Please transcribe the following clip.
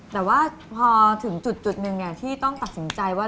แต่ว่าพอถึงจุดหนึ่งที่ต้องตัดสินใจว่า